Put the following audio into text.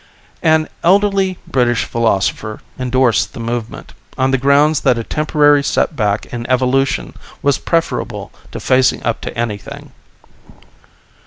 An elderly British philosopher endorsed the movement, on the grounds that a temporary setback in Evolution was preferable to facing up to anything.